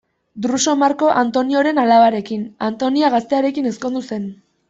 Druso Marko Antonioren alabarekin, Antonia Gaztearekin, ezkondu zen.